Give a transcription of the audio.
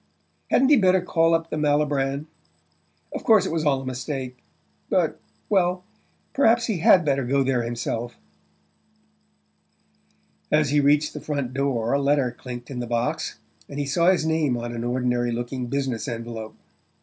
Hadn't he better call up the Malibran? Of course it was all a mistake but... well, perhaps he HAD better go there himself... As he reached the front door a letter clinked in the box, and he saw his name on an ordinary looking business envelope.